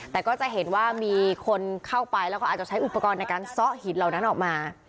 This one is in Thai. แต่ก็จะเห็นว่ามีคนเข้าไปแล้วก็อาจจะใช้อุปกรณ์ในการซ่อหินเหล่านั้นออกมา